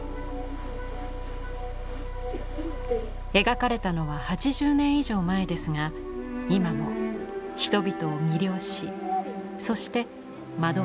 描かれたのは８０年以上前ですが今も人々を魅了しそして惑わせます。